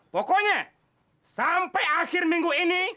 pokoknya sampai akhir minggu ini